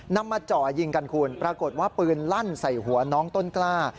นำมาเจาะยิงกันคุณปรากฏว่าปืนลั่นใส่หัวน้องต้นกล้า